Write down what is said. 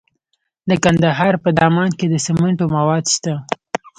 د کندهار په دامان کې د سمنټو مواد شته.